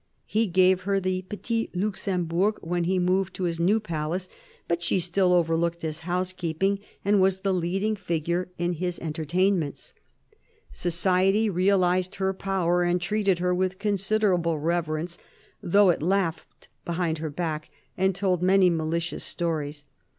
He gave her the Petit Luxembourg when he moved to his new palace, but she still overlooked his housekeeping and was the leading figure in his entertainments. Society realized her power, 16 242 CARDINAL DE RICHELIEU and treated her with considerable reverence, though it laughed behind her back and told many malicious stories.